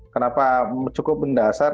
kenapa cukup mendasar